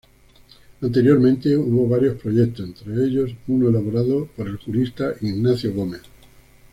Anteriormente hubo varios proyectos, entre ellos uno elaborado por el jurista Ignacio Gómez.